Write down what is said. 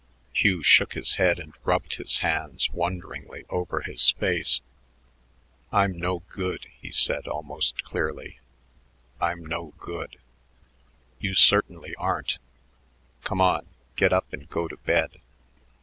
Hugh shook his head and rubbed his hands wonderingly over his face. "I'm no good," he said almost clearly. "I'm no good." "You certainly aren't. Come on; get up and go to bed."